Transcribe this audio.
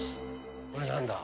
これ何だ？